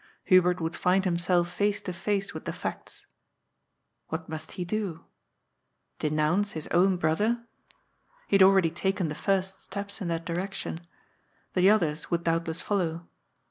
Hubert would find himself face to face with the facts. What must he do ? Denounce his own brother ? He had already taken the first steps in that direction. The others would doubtless follow.